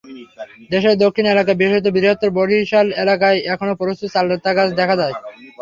দেশের দক্ষিণ এলাকায় বিশেষত বৃহত্তর বরিশাল এলাকায় এখনো প্রচুর চালতাগাছ দেখা যায়।